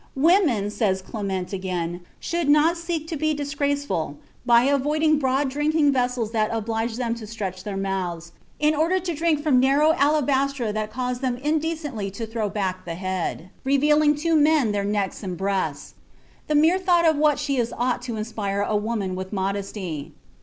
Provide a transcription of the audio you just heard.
"Women," says Clement again, "should not seek to be graceful by avoiding broad drinking vessels that oblige them to stretch their mouths, in order to drink from narrow alabastra that cause them indecently to throw back the head, revealing to men their necks and breasts. The mere thought of what she is ought to inspire a woman with modesty....